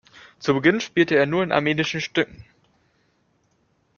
Zu Beginn spielte er nur in armenischen Stücken.